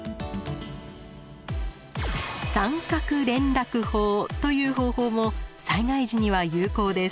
三角連絡法という方法も災害時には有効です。